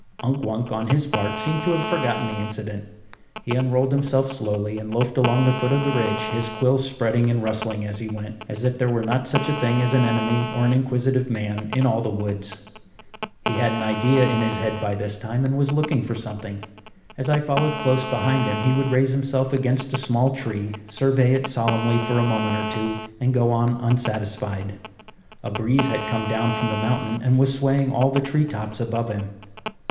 Unk Wunk, on his part, seemed to have forgotten the incident. He unrolled himself slowly and loafed along the foot of the ridge, his quills spreading and rustling as he went, as if there were not such a thing as an enemy or an inquisitive man in all the woods. He had an idea in his head by this time and was looking for something. As I followed close behind him, he would raise himself against a small tree, survey it solemnly for a moment or two, and go on unsatisfied. A breeze had come down from the mountain and was swaying all the tree tops above him.